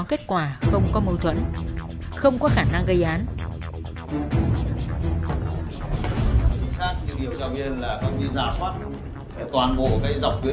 em cho chứ không lọ lần gì tiền bạc cả